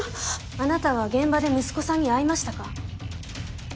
あなたは現場で息子さんに会いましたか？